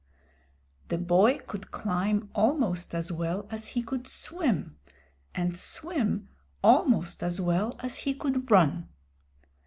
The boy could climb almost as well as he could swim, and swim almost as well as he could run.